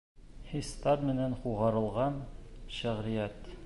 Хистәр менән һуғарылған шиғриәт.